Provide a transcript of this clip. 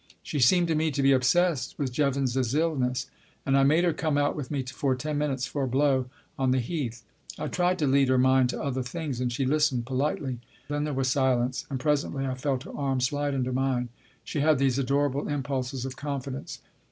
She seemed to me to be obsessed with Jevons's illness, and I made her come out with me for ten minutes for a blow on the Heath. I tried to lead her mind to other things, and she listened politely. Then there was silence, and presently I felt her arm slide into mine (she had these adorable impulses of confidence).